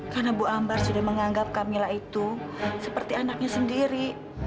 karena bu ambar sudah menganggap kamila itu seperti anaknya sendiri